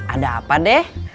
ada apa deh